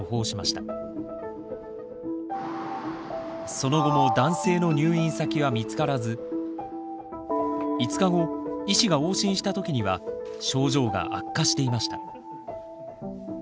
その後も男性の入院先は見つからず５日後医師が往診した時には症状が悪化していました。